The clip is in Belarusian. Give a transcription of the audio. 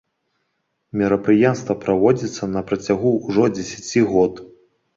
Мерапрыемства праводзіцца на працягу ўжо дзесяці год.